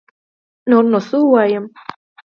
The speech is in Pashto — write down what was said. نور نو سه ووايم